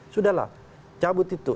sudahlah cabut itu